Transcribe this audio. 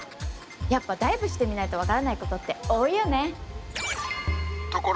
やっぱダイブしてみないと分からないことって多いよね。